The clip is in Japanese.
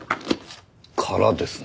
空ですね。